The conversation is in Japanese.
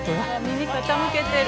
耳傾けてる。